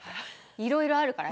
いろいろあるから。